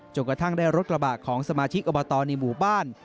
กระทั่งได้รถกระบะของสมาชิกอบตในหมู่บ้าน